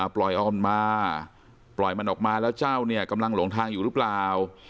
ออนมาปล่อยมันออกมาแล้วเจ้าเนี่ยกำลังหลงทางอยู่หรือเปล่า